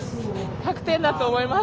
１００点だと思います。